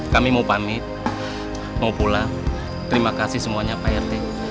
kami mau pamit mau pulang terima kasih semuanya pak rt